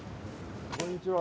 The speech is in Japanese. こんにちは。